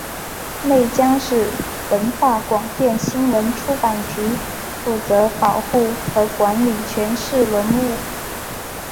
内江市文化广电新闻出版局负责保护和管理全市文物。